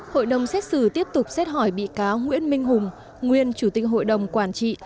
hội đồng xét xử tiếp tục xét hỏi bị cáo nguyễn minh hùng nguyên chủ tịch hội đồng quản trị